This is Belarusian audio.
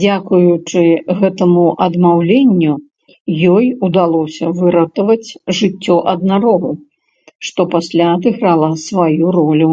Дзякуючы гэтаму адмаўленню ёй удалося выратаваць жыццё аднарогу, што пасля адыграла сваю ролю.